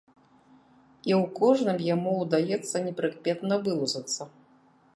І ў кожным яму ўдаецца непрыкметна вылузацца.